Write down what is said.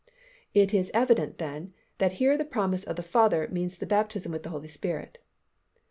It is evident then, that here the promise of the Father means the baptism with the Holy Spirit.